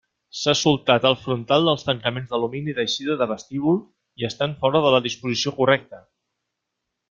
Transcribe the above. S'ha soltat el frontal dels tancaments d'alumini d'eixida de vestíbul, i estan fora de la disposició correcta.